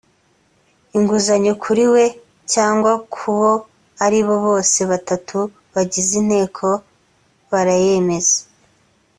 inguzanyo kuri we cyangwa kubo aribo bose batatu bagize inteko barayemeza